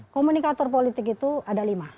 komunikator politik itu ada lima